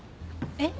えっ？